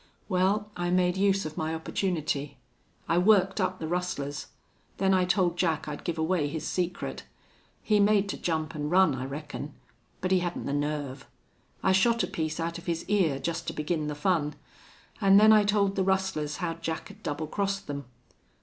Well, I made use of my opportunity. I worked up the rustlers. Then I told Jack I'd give away his secret. He made to jump an' run, I reckon. But he hadn't the nerve. I shot a piece out of his ear, just to begin the fun. An' then I told the rustlers how Jack had double crossed them.